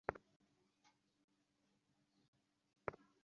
সঙ্গে আরও থাকে গানগুলোর পেছনের গল্প, সংশ্লিষ্ট শিল্পী অথবা ব্যান্ডের কথা।